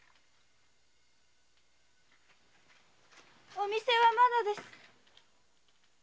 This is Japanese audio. お店はまだです。